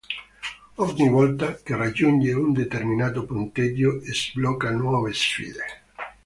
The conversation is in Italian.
Ogni volta che raggiunge un determinato punteggio sblocca nuove sfide.